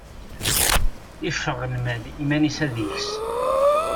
Iffeɣ lmal iman-is ad ikes.